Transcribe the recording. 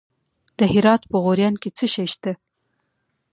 د هرات په غوریان کې څه شی شته؟